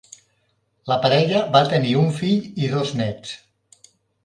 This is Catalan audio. La parella va tenir un fill i dos néts.